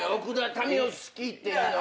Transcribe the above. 民生好きっていうのは。